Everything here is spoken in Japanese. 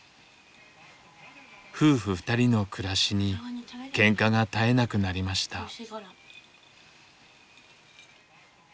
夫婦２人の暮らしにけんかが絶えなくなりました。